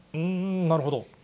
なるほど。